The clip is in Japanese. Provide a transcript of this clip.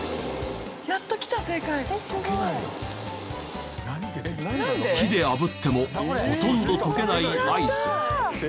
「やっときた正解」「えっすごい」火で炙ってもほとんど溶けないアイス。